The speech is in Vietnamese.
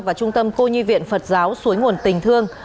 và trung tâm cô nhi viện phật giáo suối nguồn tình thương